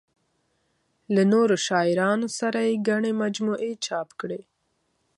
له نورو شاعرانو سره یې ګڼې مجموعې چاپ کړې.